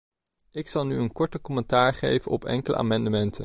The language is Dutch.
Ik zal nu een korte commentaar geven op enkele amendementen.